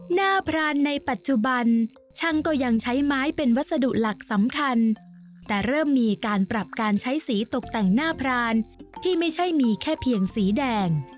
พรานในปัจจุบันช่างก็ยังใช้ไม้เป็นวัสดุหลักสำคัญแต่เริ่มมีการปรับการใช้สีตกแต่งหน้าพรานที่ไม่ใช่มีแค่เพียงสีแดง